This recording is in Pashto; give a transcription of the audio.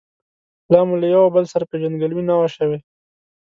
لا مو له یو او بل سره پېژندګلوي نه وه شوې.